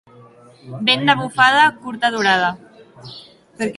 Vent de bufada, curta durada.